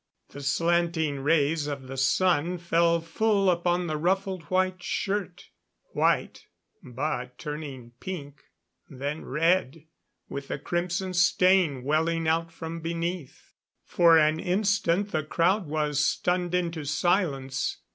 The slanting rays of the sun fell full upon the ruffled white shirt; white, but turning pink, then red, with the crimson stain welling out from beneath. For an instant the crowd was stunned into silence.